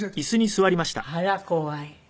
あら怖い。